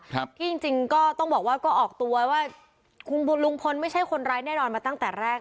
ครับที่จริงจริงก็ต้องบอกว่าก็ออกตัวว่าคุณลุงพลไม่ใช่คนร้ายแน่นอนมาตั้งแต่แรก